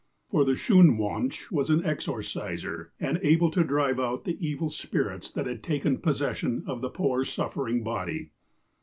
For the " Shoo wansh" was an exor cisor, and able to drive out the evil spirits that had taken possession of the poor suffering body.